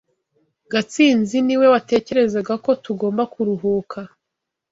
Gatsinzi niwe watekerezaga ko tugomba kuruhuka.